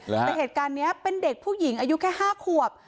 แต่เหตุการณ์นี้เป็นเด็กผู้หญิงอายุแค่๕ขวบ